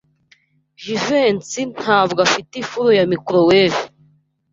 Jivency ntabwo afite ifuru ya microwave.